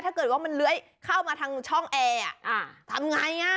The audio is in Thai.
ถ้าเกิดว่ามันเลื้อยเข้ามาทางช่องแอร์ทำไง